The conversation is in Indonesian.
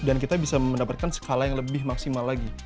dan kita bisa mendapatkan skala yang lebih maksimal lagi